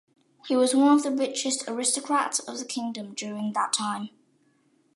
He was one of the richest aristocrats of the kingdom during that time.